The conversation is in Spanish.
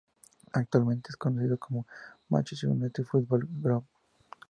Actualmente es conocido como Manchester United Football Ground.